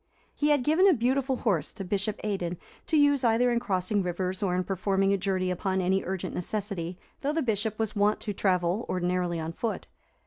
He had given a beautiful horse to Bishop Aidan, to use either in crossing rivers, or in performing a journey upon any urgent necessity, though the Bishop was wont to travel ordinarily on foot.